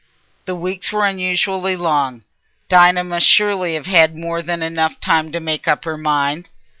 The weeks were unusually long: Dinah must surely have had more than enough time to make up her mind.